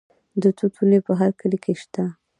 د توت ونې په هر کلي کې شته.